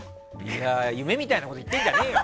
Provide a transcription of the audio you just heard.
夢みたいなこと言ってんじゃねえよ！